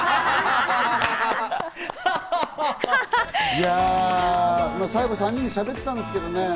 いや、最後３人で、しゃべってたんですけどね。